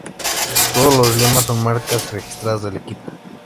Todos los lemas son marcas registradas del equipo.